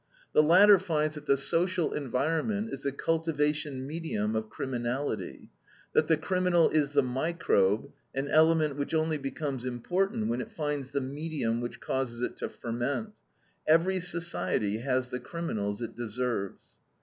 The latter find that "the social environment is the cultivation medium of criminality; that the criminal is the microbe, an element which only becomes important when it finds the medium which causes it to ferment; EVERY SOCIETY HAS THE CRIMINALS IT DESERVES."